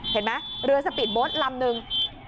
เห็นไหมเรือสปีดโบ๊ทลำนึง